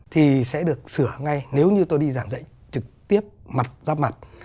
thì sẽ được sửa ngay nếu như tôi đi giảng dạy trực tiếp mặt giáp mặt